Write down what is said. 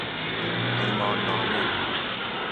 پیمان نامه